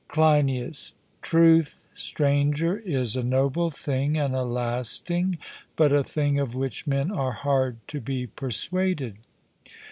CLEINIAS: Truth, Stranger, is a noble thing and a lasting, but a thing of which men are hard to be persuaded.